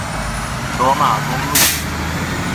羅馬公路